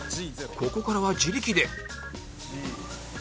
ここからは自力で